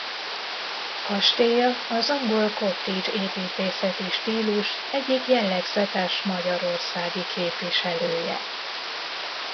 Kastélya az angol cottage építészeti stílus egyik jellegzetes magyarországi képviselője.